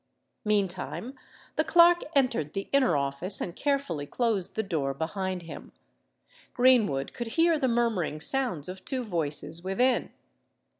Meantime the clerk entered the inner office, and carefully closed the door behind him. Greenwood could hear the murmuring sounds of two voices within.